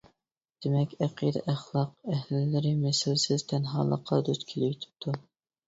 دېمەك، ئەقىدە، ئەخلاق ئەھلىلىرى مىسلىسىز تەنھالىققا دۇچ كېلىۋېتىپتۇ.